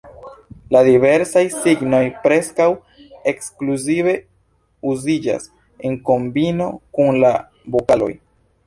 La diversaj signoj preskaŭ ekskluzive uziĝas en kombino kun la vokaloj.